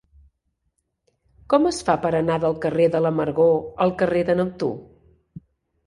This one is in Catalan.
Com es fa per anar del carrer de l'Amargor al carrer de Neptú?